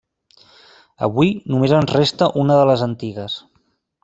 Avui només en resta una de les antigues.